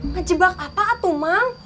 ngejebak apa atumang